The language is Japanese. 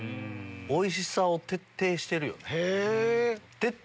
おいしさを徹底してるよね。